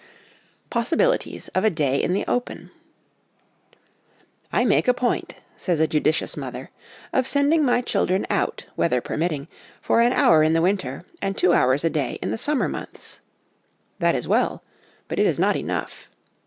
Possibilities of a Day in the Open. ' I make a point,' says a judicious mother, 'of. sending my children out, weather permitting, for an hour in the winter, and two hours a day in the summer months.' That is well ; but it is not enough.